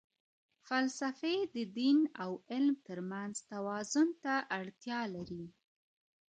فلسفې د دین او علم ترمنځ توازن ته اړتیا لري.